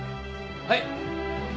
はい。